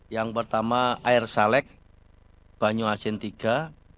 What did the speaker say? yang pertama air saleh banyuasin iii